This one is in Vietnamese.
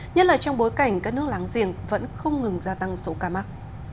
nhất là trong bối cảnh các nước láng giềng vẫn không ngừng gia tăng số ca mắc